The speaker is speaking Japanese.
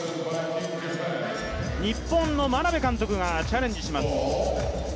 日本の眞鍋監督がチャレンジします。